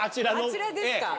あちらですか。